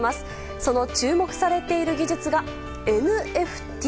その注目されている技術がＮＦＴ。